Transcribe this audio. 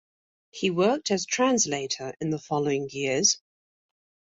He worked as translator in the following years.